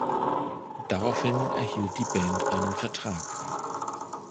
Daraufhin erhielt die Band einen Vertrag.